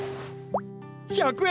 １００円！？